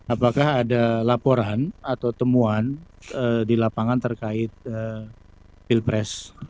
apakah ada laporan atau temuan di lapangan terkait pilpres